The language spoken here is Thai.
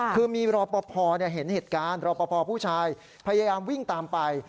คือมีรอปภเห็นเหตุการณ์รอปภผู้ชายพยายามวิ่งตามไป